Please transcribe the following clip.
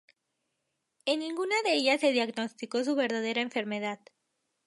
En ninguna de ellas se diagnosticó su verdadera enfermedad.